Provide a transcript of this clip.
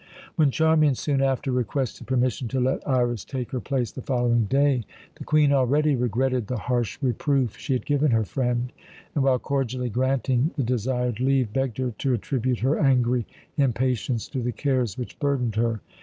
When Charmian soon after requested permission to let Iras take her place the following day, the Queen already regretted the harsh reproof she had given her friend, and, while cordially granting the desired leave, begged her to attribute her angry impatience to the cares which burdened her.